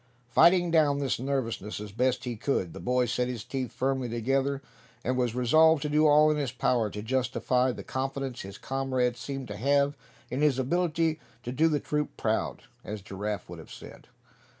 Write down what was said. Fighting down this nervousness as best he could, the boy set his teeth firmly together, and was resolved to do all in his power to justify the confidence his comrades seemed to have in his ability to "do the troop proud," as Giraffe would have said.